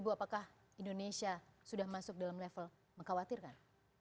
lima belas apakah indonesia sudah masuk dalam level mengkhawatirkan